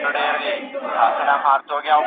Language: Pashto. په نڅا نڅا دې لاس کې انار واخیست